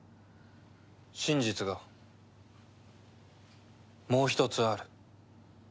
真実がもう一つある。